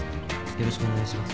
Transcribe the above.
よろしくお願いします。